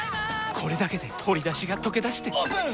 これだけで鶏だしがとけだしてオープン！